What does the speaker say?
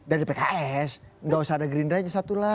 dari pks nggak usah ada gerindanya satulah